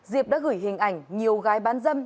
diệp đã gửi hình ảnh nhiều gái bán dâm